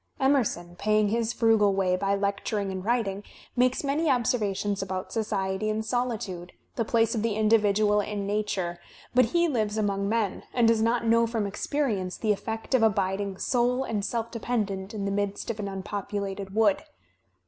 Emerson, paying his frugal way by lecturing and writing, makes many observations about society and solitude, the place of the individual in nature, but he lives among men and does not know from experience the effect of abiding sole and self dependent in the midst of an unpopulated wood.